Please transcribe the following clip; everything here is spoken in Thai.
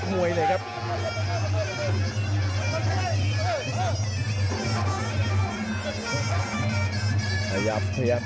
สวัสดิ์นุ่มสตึกชัยโลธสวัสดิ์